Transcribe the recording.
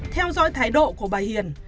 theo dõi thái độ của bà hiền